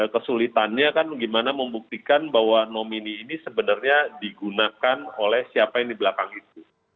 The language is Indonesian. kesulitannya kan gimana membuktikan bahwa nomini ini sebenarnya digunakan oleh siapa yang di belakang itu